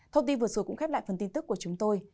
thông tin vừa rồi cũng khép lại phần tin tức của chúng tôi